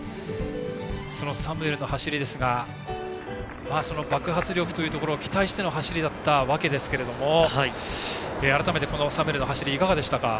そのサムエルの走りですが爆発力というところを期待しての走りだったわけですけれども改めて、サムエルの走りはいかがでしたか？